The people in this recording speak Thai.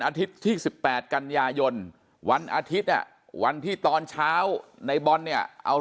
อาทิตย์ที่๑๘กันยายนวันอาทิตย์วันที่ตอนเช้าในบอลเนี่ยเอา